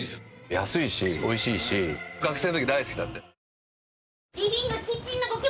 安いし美味しいし学生の時大好きだった。